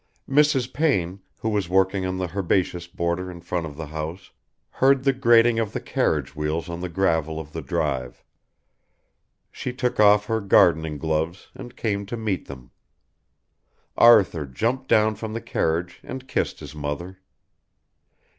Mrs. Payne, who was working on the herbaceous border in front of the house, heard the grating of the carriage wheels on the gravel of the drive. She took off her gardening gloves and came to meet them. Arthur jumped down from the carriage and kissed his mother.